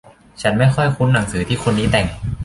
ฉันไม่ค่อยคุ้นหนังสือที่คนนี้แต่ง